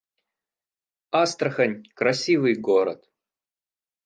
Астрахань — красивый город